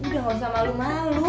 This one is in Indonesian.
gausah malu malu